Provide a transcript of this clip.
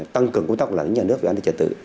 tăng cường quy tắc của nhà nước về an ninh trật tự